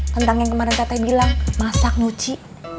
tentang yang kemarin tete bilang masak nyuci